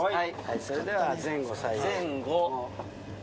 それでは前後左右。